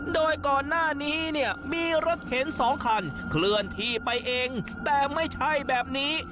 โดยก่อนหน้านี้เนี่ยมีรถเข็นสองคันเคลื่อนที่ไปเองแต่ไม่ใช่แบบนี้